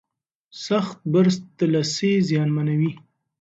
سخت برس د لثې زیانمنوي.